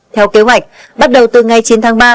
theo kế hoạch bắt đầu từ ngày chín tháng ba